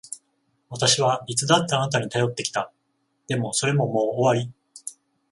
私はいつだってあなたに頼ってきた。でも、それももう終わり。